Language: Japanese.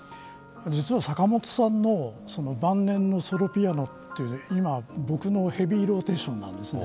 実は坂本さんの晩年のソロピアノって今、僕のヘビーローテーションなんですね。